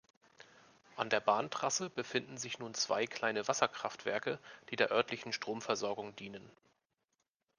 An der Bahntrasse befinden sich nun zwei kleine Wasserkraftwerke, die der örtlichen Stromversorgung dienen.